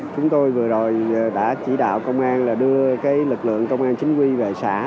chúng tôi vừa rồi đã chỉ đạo công an là đưa lực lượng công an chính quy về xã